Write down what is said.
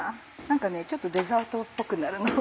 何かねちょっとデザートっぽくなるの。